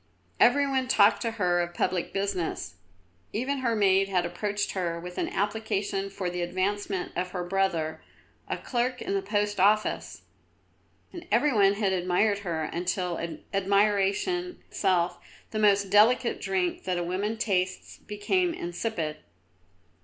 Every one talked to her of public business. Even her maid had approached her with an application for the advancement of her brother, a clerk in the Post Office; and every one had admired her until admiration itself, the most delicious drink that a woman tastes, became insipid.